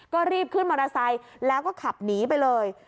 ก็รีบขึ้นมอเตอร์ไซค์แล้วก็ขับหนีไปเลย